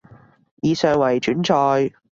以上為轉載